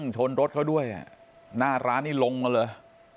ชนรถเขาด้วยหน้าร้านนี่ลงมาเลย